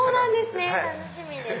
楽しみです！